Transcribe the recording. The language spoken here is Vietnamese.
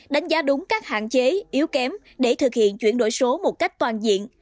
đánh giá đúng các hạn chế yếu kém để thực hiện chuyển đổi số một cách toàn diện